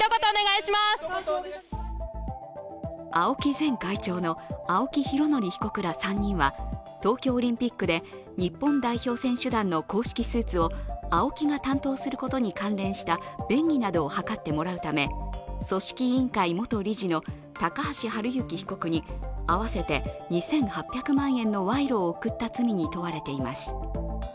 前会長の青木拡憲被告ら３人は、東京オリンピックで日本代表選手団の公式スーツをＡＯＫＩが担当することに関連した便宜などを図ってもらうため組織委員会元理事の高橋治之被告に合わせて２８００万円の賄賂を贈った罪に問われています。